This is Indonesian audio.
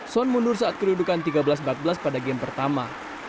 son mundur saat kedudukan tiga belas empat belas pada game pertama